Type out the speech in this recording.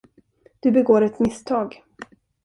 Du begår ett misstag.